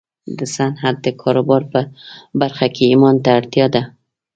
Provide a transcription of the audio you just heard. د صنعت د کاروبار په برخه کې ايمان ته اړتيا ده.